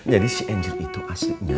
jadi si angel itu aslinya